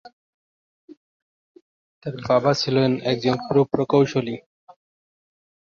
তার বাবা ছিলেন একজন পুর প্রকৌশলী।